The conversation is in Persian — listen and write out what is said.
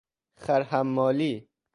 خرحمالی